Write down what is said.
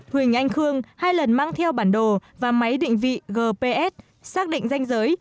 huỳnh anh khương hai lần mang theo bản đồ và máy định vị gps xác định danh giới